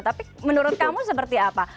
tapi menurut kamu seperti apa